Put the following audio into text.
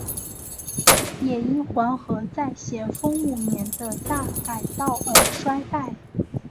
也因黄河在咸丰五年的大改道而衰败。